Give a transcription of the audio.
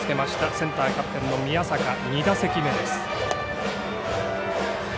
センターへキャプテンの宮坂２打席目です。